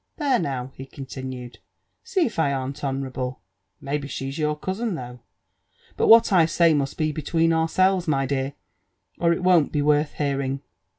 There now," he continued, see if I am't honourable 1 — Mayhe she's your cousin, though. — But what I say must be between ourselves, my dear, or it won't be worth hear ing.